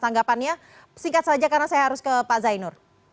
tanggapannya singkat saja karena saya harus ke pak zainur